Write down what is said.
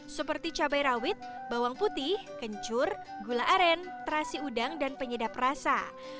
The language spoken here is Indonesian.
seperti cabai rawit bawang putih kencur gula aren terasi udang dan penyedap rasa